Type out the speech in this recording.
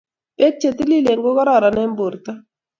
pek chetililen kokaroron eng porto